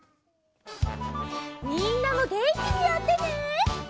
みんなもげんきにやってね！